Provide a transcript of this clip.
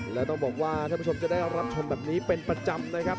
และต้องบอกว่าท่านผู้ชมจะได้รับชมแบบนี้เป็นประจำนะครับ